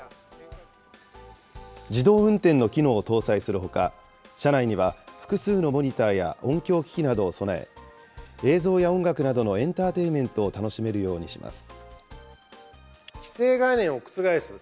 自動運転の機能を搭載するほか、車内には複数のモニターや音響機器などを備え、映像や音楽などのエンターテインメントを楽しめるようにします。